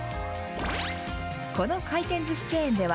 大手回転ずしチェーンです。